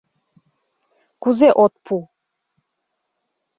Кузе от пу?